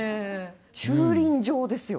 駐輪場ですよ。